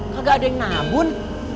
kagak ada yang nabun